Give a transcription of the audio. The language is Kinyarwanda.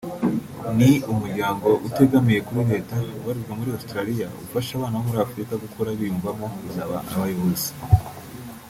ni umuryango utegamiye kuri leta ubarizwa muri Australia ufasha abana bo muri Afurika gukura biyumvamo kuzaba abayobozi